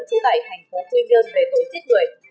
trú tại thành phố quy nhơn về tối tiết người